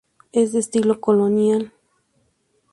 Es de estilo colonial.